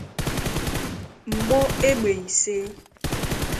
mgbọ égbè ise